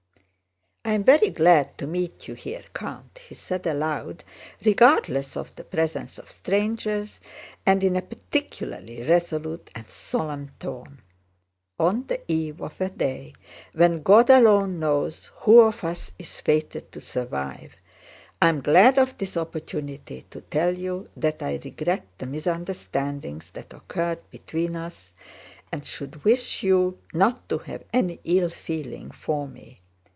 "I am very glad to meet you here, Count," he said aloud, regardless of the presence of strangers and in a particularly resolute and solemn tone. "On the eve of a day when God alone knows who of us is fated to survive, I am glad of this opportunity to tell you that I regret the misunderstandings that occurred between us and should wish you not to have any ill feeling for me.